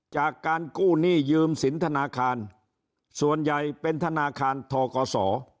จากการกู้หนี้ยืมสินธนาคารส่วนใหญ่เป็นธนาคารทกศ